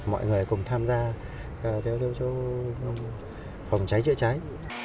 mọi người cùng tham gia phòng cháy chữa cháy